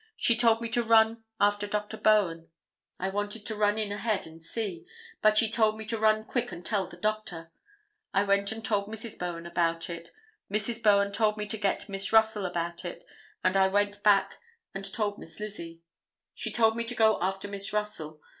She told me to run after Dr. Bowen. I wanted to run in ahead and see, but she told me to run quick and tell the doctor. I went and told Mrs. Bowen about it. Mrs. Bowen told me to tell Miss Russell about it and I went back and told Miss Lizzie. She told me to go after Miss Russell.